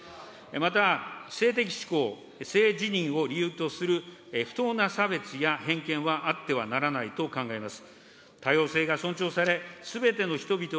また、性的し好、性自認を理由とする不当な差別や偏見はあってはならないと考えます。